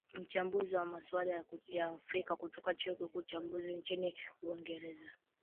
mchambuzi wa masuala ya afrika kutoka chuo kikuu cha litz cha nchini uingereza